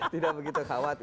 tidak begitu khawatir